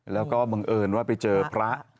แล้วก็บังเอิญว่าไปเจอพระ